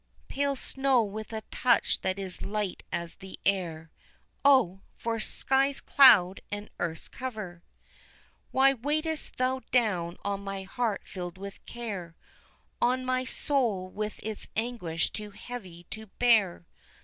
_ Pale snow, with a touch that is light as the air, (Oh! for sky's cloud and earth's cover.) Why weighest thou down on my heart filled with care, On my soul with its anguish too heavy to bear.